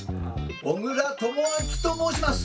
小倉智昭と申します。